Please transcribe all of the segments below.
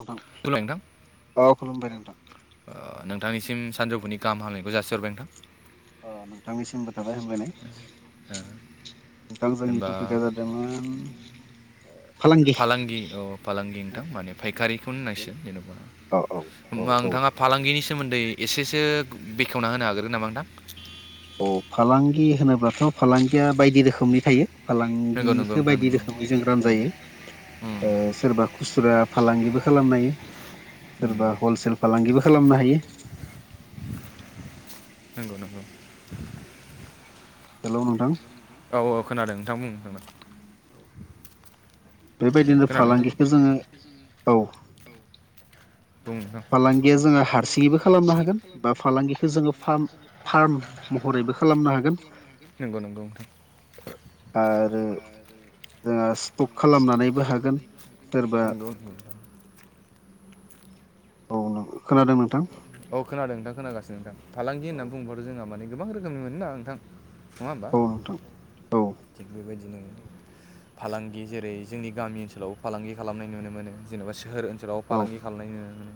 नोंथां औ खुलुमबाय नोंथां नोंथांनिसिम सानजौफुनि गाहाम हामनायखौ जासिहरबाय नोंथां अ नोंथांनिसिमबो थाबाय हामलायनाय ओ, नोंथां जोंनि जेनेबा टपिकआ जादोंमोन फालांगि औ फालांगि नोंथां माने फायखारिखौनो होननांसिगोन जेन'बा औ औ औ होमबा औ नोंथाङा फालांगिनि सोमोन्दै एसेसो बेखेवना होनो हाग्रोन नामा नोंथां? औ फालांगि होनोब्लाथ' फालांगिया बायदि रोखोमनि थायो नंगौ नंगौ फालांगिफोर नोंथां बायदि नंगौ रोखोमै जों रान जायो उम, ओ सोरबा खुसुरा फालांगिबो खालामनाय उम, सोरबा हलसेल फालांगिबो खालामनो हायो नंगौ नंगौ हेल' नोंथां औ औ खोनादों नोंथां बुं बेबायदिनो खोनादोंना फालांगिखौ जोङो औ जोङो बुं नोंथां फालांगिया जोङो हारसिङैबो खालामनो हागोन बा फालांगिखौ जोङो फार्म फार्म महरैबो खालामनो हागोन नंगौ नंगौ नोंथां आरो जोंहा स्टक खालामनानैबो हागोन सोरबा [unintelligible] औ खोनादों नोंथां औ खोनादों नोंथां खोनागासिनो नोंथां फालांगि औ होनना बुंबाथ' जोंहा माने गोबां रोखोमनि मोनो ना नोंथां नङा होमबा औ नोंथां औ थिग बेबायदिनो फालांगि जेरै जोंनि गामि ओनसोलाव फालांगि खालामनाय नुनो मोनो जेनेबा सोहोर ओनसोलाव औ फालांगि खालामनाय नु मोनो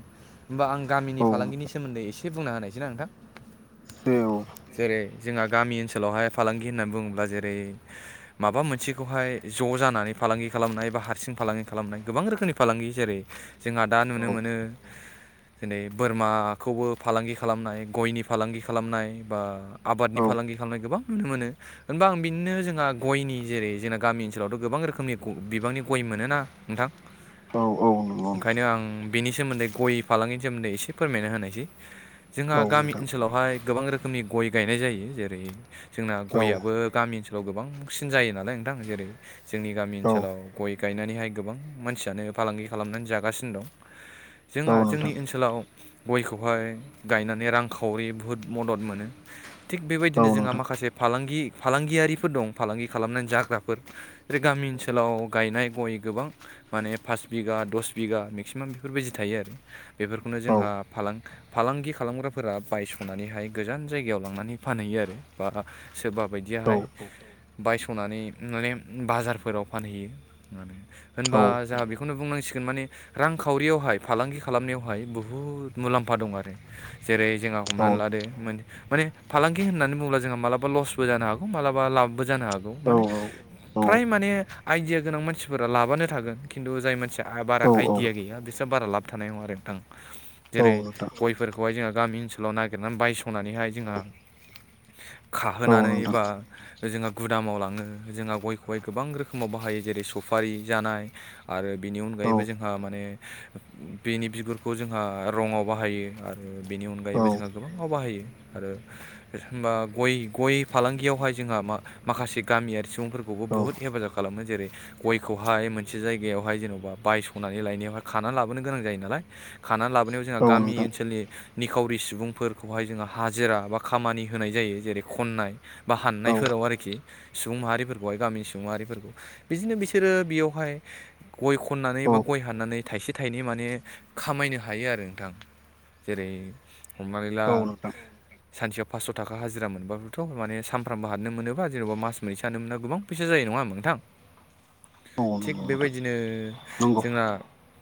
होमबा आं गामिनि औ फालांगिनि नोंथां सोमोन्दै एसे बुंना होनायसै ना नोंथां [unintelligible] जेरै जोंहा गामि ओनसोलावहाय फालांगि होननानै बुङोब्ला जेरै माबा मोनसेखौहाय ज' जानानै फालांगि खालामनाय बा हारसिं फालांगि खालामनाय गोबां रोखोमनि फालांगि जेरै जोंहा दा नुनो औ मोनो। दिनै बोरमाखौबो फालांगि खालामनाय गयनि फालांगि खालामनाय बा आबादनि औ फालांगि खालामनाय गोबां नुनो मोनो। होनबा आं बिदिनो जोंहा गयनि जेरै जोंना गामि ओनसोलावथ' गोबां रोखोमनि बिबांनि गय मोनोना नोंथां। [unintelligible] नंगौ नोंथां ओंखायनो आं बिनि सोमोन्दै गय फालांगिनि सोमोन्दै एसे फोरमायनो होनायसै जोंहा औ गामि नोंथां ओनसोलाव हाय गोबां रोखोमनि गय गायनाय जायो जेरै जोंना औ गयाबो गामिनि गोबांसिन जायो नालाय नोंथां जेरै जोंनि गामि औ ओनसोलाव गय गायनानैहाय गोबां मानसियानो फालांगि खालामनानै जागासिनो दं। [inaudible] जोंहा जोंनि नोंथां ओनसोलाव गयखौहाय गायनानै रांखावरि बुहुद मदद मोनो। थिग बेबायदिनो औ जोंहा नोंथां माखासे फालांगि फालांगियारिफोर दं फालांगि खालामनानै जाग्राफोर जेरै गामि औ ओनसोलाव गायनाय गय गोबां माने पास बिगा दस बिगा मेक्सिमाम बेफोरबायदि थायो आरो बेफोरखौनो औ जोंहा फालां फालांगि खालामग्राफोरा बायस'नानैहाय गोजान जायगायाव लांनानै फानहैयो आरो बा सोरबा औ नोंथां औ नोंथां औ नोंथां औ बायदियाहाय नोंथां बायस'नानै माने बाजारफोराव फानहैयो। होनबा जोंहा बेखौनो बुंनांसिगोन माने रांखावरियावहाय फालांगि खालामनायावहाय बुहुद मुलाम्फा दं आरो जेरै जोंहा हमनानै लादो माने फालांगि होननानै बुङोब्ला जोंहा मालाबा लसबो जानो हागौ मालाबा लाबबो जानो हागौ माने फ्राय माने आइडिया गोनां मानसिफोरा लाबानो थागोन खिन्थु जाय मानसि बारा आइडिया गैया बिसोरां बारा लाब थानाय नङा आरो नोंथां जेरै गय फोरखौहाय जोंहा गामि ओनसोलाव नागिरनानै बायस'नानैहाय जोंहा खाहोनानै बा जोंहा गुदामाव लाङो जोंहा गयखौहाय गोबां रोखोमाव बाहायो जेरै सफारि जानाय आरो बेनि अनगायैबो जोंहा माने बेनि बिगुरखौ जोंहा रङाव बाहायो आरो बेनि अनगायैबो जोंहा गोबां फाव बाहायो आरो होनबा गय गय फालांगियावहाय जोंहा मा माखासे गामियारि सुबुंफोरखौबो बुहुत हेफाजाब खालामो जेरै गयखौहाय मोनसे जायगायावहाय जेन'बा बायस'नानै लायनायावहाय खानानानै लाबो बोनो गोनां जायो नालाय खानानै लाबोनायाव जोंहा गामि ओनसोलनि निखावरि सुबुंफोरखौहाय जोङो हाजिरा बा खामानि होनाय जायो जेरै खननाय बा हाननायफोराव आरोखि सुबुं माहारिफोरखौहाय गामिनि सुबुं माहारिफोरखौ बिदिनो बिसोरो बेयावहाय गय खननानै बा गय हाननानै थाइसे थाइनै माने खामायनो हायो आरो नोंथां जेरै हमनानै ला सानसेयाव पास्स' थाखा हाजिरा मोनबोथ' माने सानफ्रामबो हाबनो मोनोबा जेन'बा मास मोनैसो हानोना गोबां फैसा जायो नङा होमबा नोंथां लांदां थिग बेबायदिनो नंगौ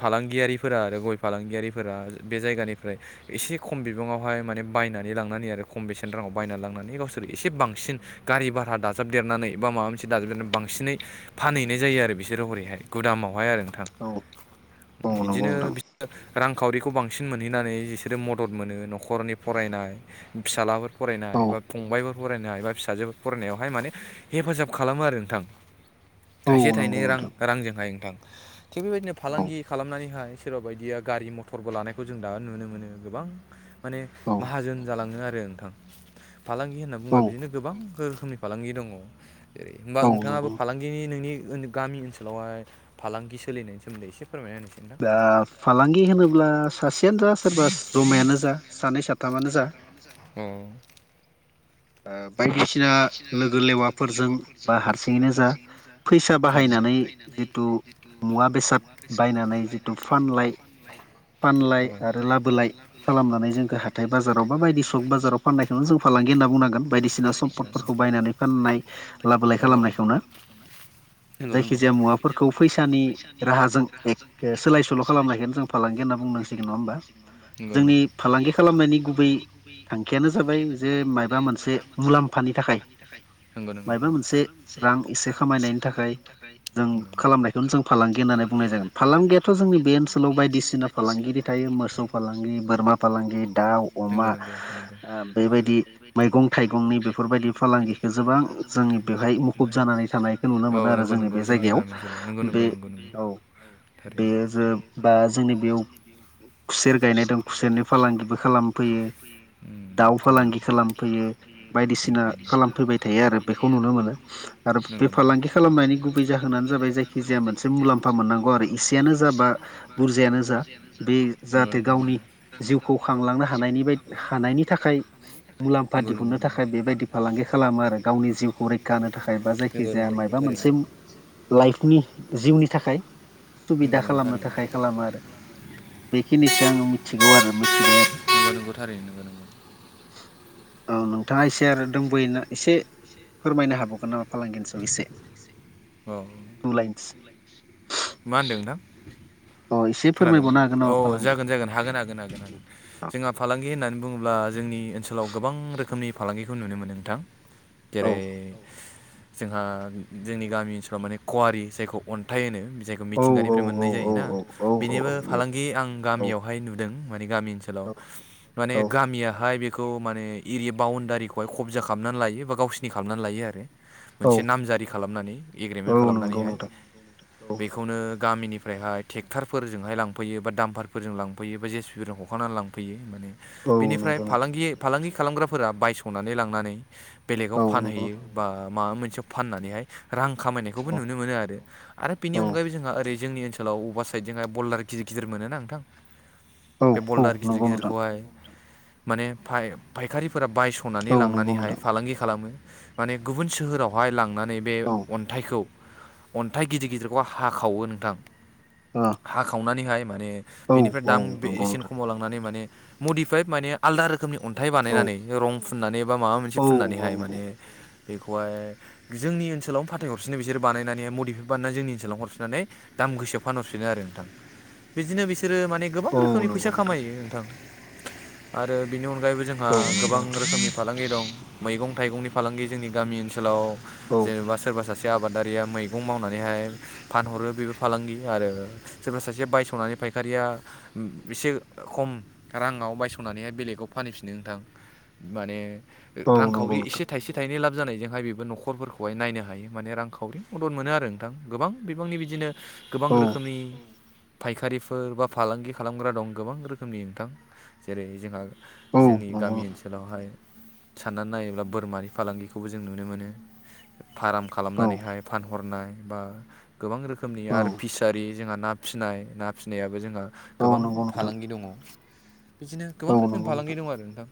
फालांगियारिफोरा आरो गय फालांगियारिफोरा बे जायगानिफ्राय एसे खम बिबाङावहाय माने बायनानै लांनानै आरो खम बेसेन राङाव बायनानै लांनानै गावसोर एसे बांसिन गारि भारा दाजाबदेरनानै बा माबा मोनसे दाजाबदेरनानै बांसिनै फानहैनाय जायो आरो बिसोरो हरैहाय गुदामावहाय आरो नोंथां। औ औ नंगौ बिदिनो नोंथां बिसोरो रांखावरिखौ बांसिन मोनहैनानै बिसोरो मदद मोनो न'खरनि फरायनाय फिसालाफोर फरायनाय औ बा फंबायफोर फरायनो हायो बा फिसाजो फरायनायावहाय माने हेफाजाब खालामो आरो नोंथां औ थाइसे थाइनै नंगौ रां नोंथां रांजोंहाय नोंथां थिग बेबायदिनो औ फालांगि खालामनानैहाय सोरबा बायदिया गारि मथरबो लानायखौ जों दा नुनो मोनो गोबां माने औ माहाजोन जालाङो आरो नोंथां फालांगि होनना औ बुङोबा बिदिनो गोबां रोखोमनि फालांगि दङ जेरै होमबा औ नोंथाङाबो नंगौ फालांगिनि नोंनि गामि ओनसोलावहाय फालांगि सोलिनायनि सोमोन्दै एसे फोरमायना होनायसाय नोंथां दा फालांगि होनोब्ला सासेयानो जा सोरबा जमायानो जा सानै साथाम औ बायदिसिना लोगो लेवाफोरजों बा हारसिङैनो जा फैसा बाहायनानै जिथु मुवा बेसाद बायनानै जिथु फानलाय फानलाय आरो लाबोलाय खालामनानै जोंखौ हाथाय बाजाराव बा बायदि सक बाजाराव फाननायखौनो जों फालांगि होनना बुंनांगोन बायदिसिना सम्पदफोरखौ बायनानै फाननाय लाबोलाय खालामनायखौनो नंगौ जायखिजाया मुवाफोरखौ फैसानि राहाजों सोलाय सोल' खालामनायखौनो जों फालांगि होनना बुंनांसिगोन नङा होमबा जोंनि फालांगि खालामनायनि गुबै थांखियानो जाबाय जे माबा मोनसे मुलामफानि थाखाय नंगौ नंगौ मायबा मोनसे रां एसे खामायनायनि थाखाय जों नंगौ खालामनायखौनो जों फालांगि होननानै बुंनाय जागोन फालांगियाथ' जोंनि बे ओनसोलाव बायदिसिना फालांगिरि थायो मोसौ फालांगि बोरमा फालांगि दाउ अमा दाउ बेबायदि मैगं थाइगंनि बेफोरबायदि फालांगिखौ गोबां जोंनि बेवहाय मुखुब जानानै थानाय नुनो मोनो आरो थानाय जोंनि बे जायगायाव गामि ओनसोलाव नंगौ बे नंगौ नंगौ नंगौ औ थारैनो बेयो बा जोंनि बेयाव खुसेर गायनाय दं खुसेरनि फालांगिबो खालामफैयो उम दाउ थारैनो फालांगि खालाम फैयो बायदिसिना खालामफैबाय थायो आरो बेखौ नुनो मोनो आरो बे नंगौ नंगौ फालांगि खालामनायनि गुबै जाहोनानो जाबाय जायखिजाया मोनसे मुलाम्फा मोननांगौ आरो इसेयानो जा बा बे बुरजायानो जा बे नंगौ जाहाथे नंगौ गावनि जिउखौ खांलांनो हानायनि बाय हानायनि थाखाय मुलाम्फा नंगौ नंगौ नंगौ दिहुननो थाखाय बेबायदि फालांगि खालामो आरो गावनि जिउखौ रैखा होनो थाखाय बा नंगौ जायखिजाया नंगौ नंगौ माबा थारैनो मोनसे लाइफनि जिउनि थाखाय नंगौ सुबिदा नंगौ खालामनो थारैनो थाखाय खालामो आरो बेखिनिखौ आङो मिथिगौ आरो मिथिबाय आरो नंगौ नंगौ थारैनो नंगौ औ नोंथाङा एसे आरो दंबोयोना एसे फोरमायनो हाबावगोन नामा फालांगिनि सायाव एसे औ टु लाइन्स मा होन्दों नोंथां अ एसे खोनादों फोरमायबावनो हागोन औ नामा फालांगि जागोन जागोन हागोन हागोन हागोन हागोन जोंहा फालांगि होननानै बुङोब्ला जोंनि ओनसोलाव गोबां रोखोमनि फालांगिखौ नुनो मोनो नोंथां लान्दां जेरै जोंहा जोंनि गामि ओनसोलाव माने कवारि जायखौ अन्थाइ होनो जायखौ औ औ औ मिथिंगानिफ्राय औ मोननाय जायोना औ औ औ निबो औ येस फालांगि आं औ गामियावहाय नुदों माने गामि ओनसोलाव औ माने औ गामियाहाय हाय बेखौ माने एरिया बाउणडारिखौहाय खब्जा खालामनानै लायो बा गावसोरनि खालामनानै लायो आरो औ मोनसे नामजारि खालामनानै एग्रिमेन्ट औ नंगौ खालामनानैहाय नोंथां औ बेखौनो गामिनिफ्रायहाय ट्रेक्टर फोरजोंहाय लांफैयो बा दाम्फारफोरजों लांफैयो बा जेसीपि फोरजों हखांनानै लांफैयो माने औ बेनिफ्राय नंगौ नोंथां फालांगि फालांगि खालामग्राफोरा बायस'नानै लांनानै बेलेगाव औ नंगौ फानहैयो बा मा मोनसे फाननानैहाय रां औ खामायनायखौबो नुनो मोनो आरो। आरो बेनि औ अनगायैबो जोंहा ओरै जोंनि ओनसोलाव अबेबा साइड जोंहा बलार गिदिर गिदिर मोनोना नोंथां औ बे औ बल्दार गिदिर नंगौ नोंथां गिदिरखौहाय माने फाय-फायखारिफोरा बायस' हनानै औ नंगौ लांनानैहाय नोंथां फालांगि खालामो माने गुबुन सोहोरावहाय लांना नै बे औ अन्थाइखौ अन्थाइ गिदिर गिदिरखौ हाखावो नोंथां अ हाखावनानैहाय माने बेनिफ्राय दाम औ नंगौ बेसेन नोंथां खमाव लांनानै माने मडिफाइद माने आलदा रो खोमनि अन्थाइ औ बानायनानै रं फुननानै बा माबा मोनसे औ फुननानैहाय माने बेखौहाय जोंनि ओनसोलाव फाथथाय हरफिन बिसोर बानायनानै मडिफाइभ बानायनानै जोंनि ओनसोलाव हरफननानै दाम गोसोआव फानहरफि फिनो आरो नोंथां बिदिनो बिसोरो माने गोबां औ रोखोमनि फैसा नंगौ नोंथां खामायो नोंथां आरो बिनि अनगायैबो जोंहा औ गोबां नंगौ नोंथां रोखोमनि फालां गि दं मैगं थाइगंनि फालांगि जोंनि गामि ओनसोलाव औ जेन'बा सोरबा सासे बे आबादारिया मैगं मावनानैहाय फानहरो बेबो फालांगि आरो सोरबा सासे बायसावनानै फायखारिया एसे खम राङाव बायस'नानैहाय बेलेगाव फानहैफिनो नोंथां। माने औ नंगौ रांखावरि एसे नोंथां थाइसे थाइनै लाब जानायजोंहाय बेबो न'खरफोरखौहाय नायनो हायो माने रांखावरि मदद मोनो आरो नोंथां गोबां बिबांनि बिदिनो गोबां औ रोख नि फायखारिफोर बा फालांगि खालामग्रा दं गोबां रोखोमनि नोंथां। जेरै जोंहा औ जोंनि नंगौ गामि ओनस ओनसोलावहाय साननानै नायोब्ला बोरमानि फालांगिखौबो जों नुनो मोनो। फार्म नोंथां औ खालामनानैहाय फानहरनाय बा गोबां रोखोमनि औ आरो फिस जों ना फसिनाय ना फिसिनायाबो जोंहा औ गोबां नंगौ नोंथां फालांगि दङ' बिदिनो गोबां औ रोखोमनि नंगौ फालांगि नोंथां दं आरो नोंथां।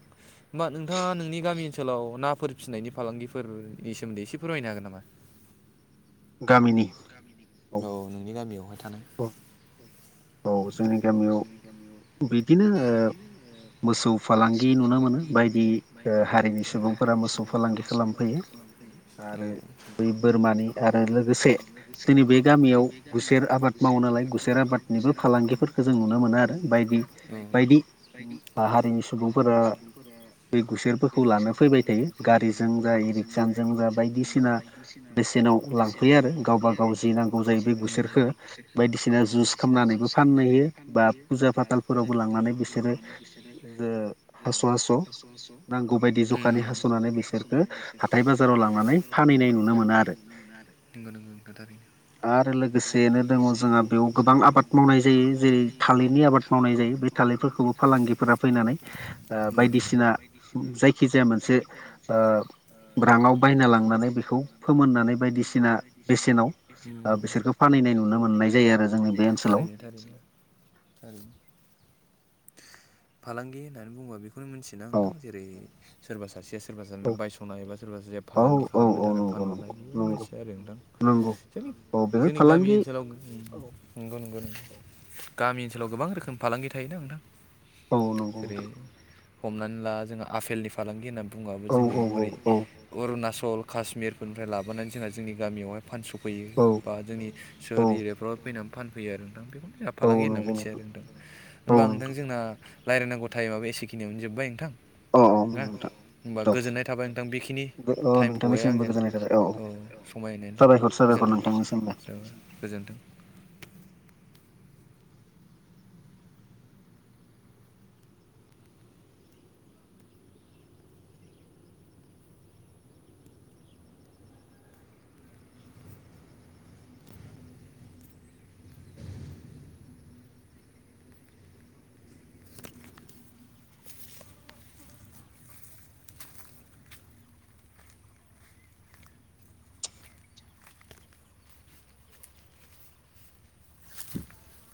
होमबा नोंथाङा नोंनि गामि ओनसोलाव नाफोर फिसिनायनि फालांगिफोरनि सोमोन्दै एसे फोरमायनो हागोन नामा? गामिनि औ नोंनि गामियावहाय थानाय। औ औ जोंनि गामियाव बिदिनो ओ मोसौ फालांगि नुनो मोनो बायदि ओ हारिनि सुबुंफोरा मोसौ फालांगि खालामफैयो आरो थानाय बै बोरमानि आरो लोगोसे जोंनि बे गामियाव गुसेर आबाद माव नालाय गुसेर आबाद निबो फालांगिफोरखो जों नुनो मोनो आरो बायदि-बायदि हारिनि सुबुंफोरा बे गुसेरफोरखौ लानो फैबाय थायो गारिजों जा इरिक्साजों जा बायदिसिना बेसेनाव लांफैयो आरो गावबा गाव जि नांगौ जायो बे गुसोरखौ बायदिसिना जुस खालामनानैबो फाननोयो बा फुजा फाथालफोरावबो लांनानै बिसोरो ओ हास' हास' नांगौ बायदि जखानि हास'नानै बिसोरखौ हाथाय बाजाराव लांनानै फानहैनाय नुनो मोनो आरो। नोंगौ नोंगौ नोंगौ थारैनो आरो लोगोस जेनो दङ' जोंहा बेयाव गोबां आबाद मावनाय जायो जेरै थालिरनि आबाद मावनाय जायो बे थालिरफोरखौबो फालांगिफोरा फैनानै ओ नंगौ नंगौ बायदिसिना जायखिजाया मोनसे ओ ब्रङाव बायना लांनानै बेखौ फोमोननानै बायदिसिना बेसेनाव दा बिसोरखौ फानहनाय नुनो मोननाय जायो आरो जोंनि बे ओनसोलाव थारैनो थारैनो थारैनो फालांगि होननानै बुङोबा बेखौनो मिथिोना औ नोंथां जेरै सोरबा सासेया सोरबा औ सानै बायस'नो एबा सोरबा सासेया औ फालांगि खालामनो औ थाखाय नंगौ फानहरनाय बे नंगौ मिथिया आरो नोंथां नंगौ थिग औ बे जोंनि गामि फालांगि ओनसोलाव [unintelligible] गुनगुन गामि ओनसोलाव गोबां रोखोम फालांगि थायोना नोंथां औ नंगौ जेरै नोंथां हमनानै ला जोङो आफेलनि फालांगि होननानै बुङबाबो औ जोङो औ हरै औ अरुणाचल काश्मिरफोरनिफ्राय लाबोनानै जोंहा जोंनि गामियावहाय फानस' फैयो औ बा जोंनि औ सोहोर एरियाफ्राव फैनानै फानफैयो आरो नोंथां बेखौनो औ फालांगि होनना नंगौ मिथिया आरो नोंथां होमबा नोंथां जोंना रायलायनांगौटाइमाबो एसेखिनियावनो जोब्बाय नोंथां अ औ नोनथां होनबा गोजोननाय थाबाय नोंथां बेखिनि औ टाइमखौहाय नोंथांनिसिमबो आंजों गोजोननाय थाबाय औ खमायनायनि थाखाय साबायखर साबायखर नोंथांनिसिमबो गोजोनथों गोजोन्थों [inaudible] [inaudible]